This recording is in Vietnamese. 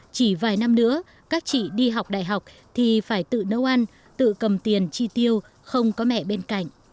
chỉ vài năm nữa các chị đi học đại học thì phải tự nấu ăn tự cầm tiền chi tiêu không có mẹ bên cạnh